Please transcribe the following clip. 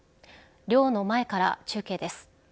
寮の前から中継です。